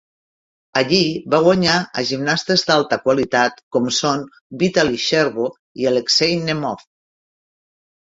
Allí, va guanyar a gimnastes d'alta qualitat, com són Vitaly Scherbo i Alexei Nemov.